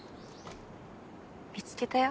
見つけたよ